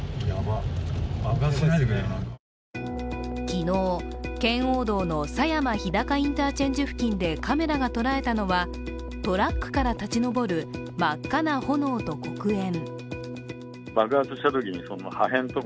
昨日、圏央道の狭山日高インターチェンジ付近でカメラが捉えたのはトラックから立ち上る真っ赤な炎と黒煙。